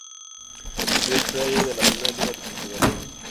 Estoril Praia, de la Primeira Liga de Portugal.